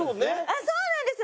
あっそうなんです！